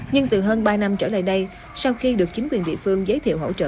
nhưng từ hơn ba năm trở lại đây sau khi được chính quyền địa phương giới thiệu hỗ trợ